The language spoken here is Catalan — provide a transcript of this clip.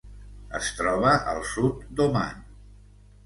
Es troba al sud d'Oman.